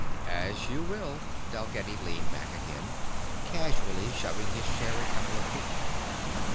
"As you will." Dalgetty leaned back again, casually shoving his chair a couple of feet.